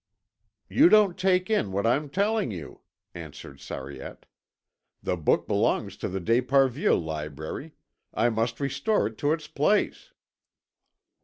"You don't take in what I am telling you," answered Sariette. "The book belongs to the d'Esparvieu library; I must restore it to its place."